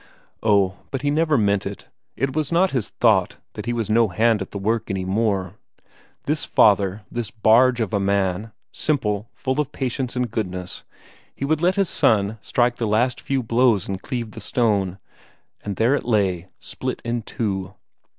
Oh, but he never meant it; it was not his thought, that he was no hand at the work any more! This father, this barge of a man, simple, full of patience and goodness, he would let his son strike the last few blows and cleave the stone. And there it lay, split in two.